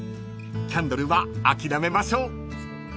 キャンドルは諦めましょう］